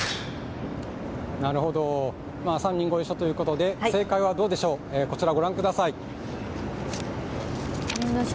なるほど、３人ご一緒ということで、正解はどうでしょう、こちら、ご覧ください。